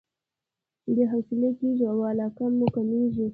بې حوصلې کېږو او علاقه مو کميږي.